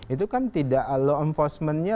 itu kan tidak law enforcementnya